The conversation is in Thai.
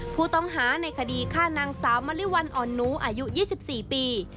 ผู้ต้องหาในคดีฆ่านางสาวมริวัลอ่อนหนูอายุ๒๔ปี